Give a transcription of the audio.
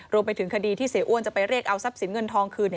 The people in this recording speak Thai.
รวมไปถึงคดีที่เสียอ้วนจะไปเรียกเอาทรัพย์สินเงินทองคืน